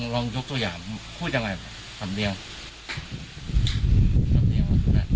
ลองยกตัวอย่างพูดยังไงคำเดียว